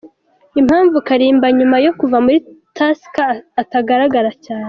Impamvu Kalimba nyuma yo kuva muri Tasika atagaragara cyane